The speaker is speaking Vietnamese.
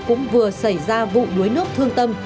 cũng vừa xảy ra vụ đuối nước thương tâm